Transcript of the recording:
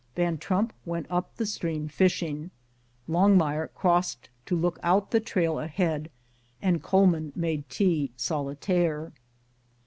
Van Trump went up the stream, fishing ; Longmire crossed to look out the trail ahead, and Coleman made tea solitaire.